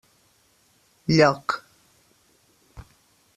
Lloc: